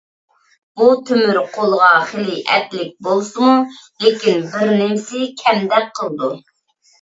بۇ تۆمۈر قولغا خېلى ئەپلىك بولسىمۇ، لېكىن بىرنېمىسى كەمدەك قىلىدۇ.